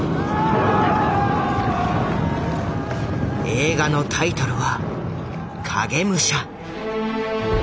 映画のタイトルは「影武者」。